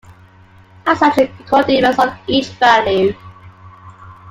As such the curl differs on each value.